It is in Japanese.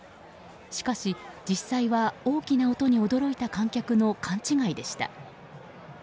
しかし、実際は大きな音に驚いた観客の勘違いでした。